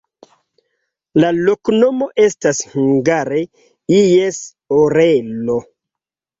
La loknomo estas hungare: ies orelo.